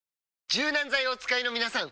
柔軟剤をお使いのみなさん！